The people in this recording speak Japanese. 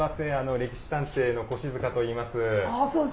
「歴史探偵」の越塚といいます。